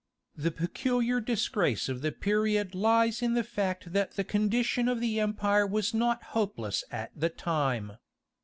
The peculiar disgrace of the period lies in the fact that the condition of the empire was not hopeless at the time.